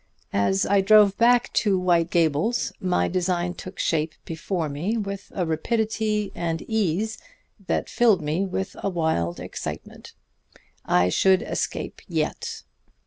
As I drove back to White Gables my design took shape before me with a rapidity and ease that filled me with a wild excitement. I should escape yet!